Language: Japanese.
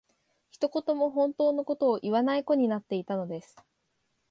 一言も本当の事を言わない子になっていたのです